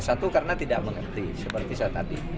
satu karena tidak mengerti seperti saya tadi